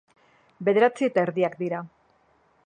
Bederatzi eta erdiak dira.